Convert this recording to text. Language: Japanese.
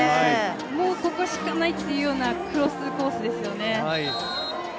もうここしかないっていうようなクロスコースですよね。